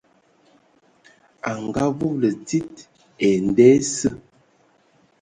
A ngaavúbulu tsid ai nda esǝ.